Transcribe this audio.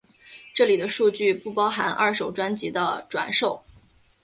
这里的数据不包含二手专辑的转售。